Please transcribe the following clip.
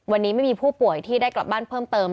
วันนี้ไม่มีผู้ป่วยที่ได้กลับบ้านเพิ่มเติม